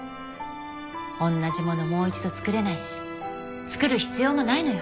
同じものもう一度作れないし作る必要もないのよ。